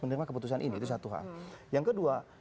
menerima keputusan ini itu satu hal yang kedua